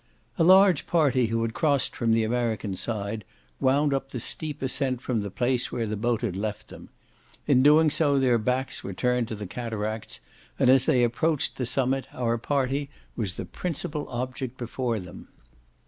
A large party who had crossed from the American side, wound up the steep ascent from the place where the boat had left them; in doing so their backs were turned to the cataracts, and as they approached the summit, our party was the principal object before them.